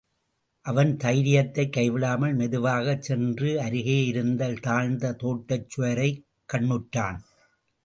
அவன் தைரியத்தைக் கைவிடாமல் மெதுவாகச் சென்று அருகேயிருந்த தாழ்ந்த தோட்டச்சுவரைக் கண்ணுற்றான்.